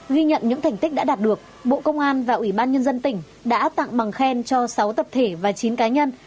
ghi nhận những thành tích đã đạt được bộ công an và ủy ban nhân dân tỉnh đã tặng bằng khen cho sáu tập thể và chín cá nhân